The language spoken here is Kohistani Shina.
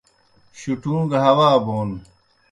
شُٹھوں کہ ہوا بون